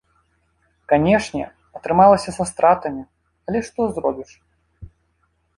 Канешне, атрымалася са стратамі, але што зробіш.